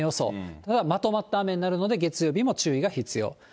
ただまとまった雨になるので月曜日も注意が必要。